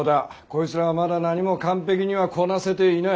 こいつらはまだ何も完璧にはこなせていない。